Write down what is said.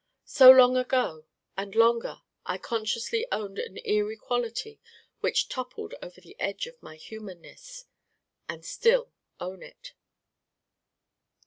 So long ago and longer I consciously owned an eerie quality which toppled over the edge of my humanness. And still own it.